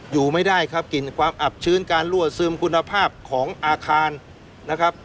อยู่ไม่ได้ครับกลิ่นความอับชื้นการรั่วซึมคุณภาพของอาคารนะครับ